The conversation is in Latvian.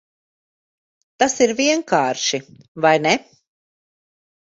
Tas ir vienkārši, vai ne?